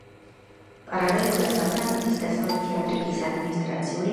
პარალელურად საფრანგეთის დასავლეთი აფრიკის ადმინისტრაციული ცენტრიცაა.